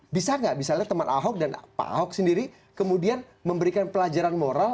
bisa nggak misalnya teman ahok dan pak ahok sendiri kemudian memberikan pelajaran moral